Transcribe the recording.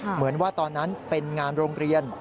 เหมือนว่าตอนนั้นเป็นงานโรงเรียน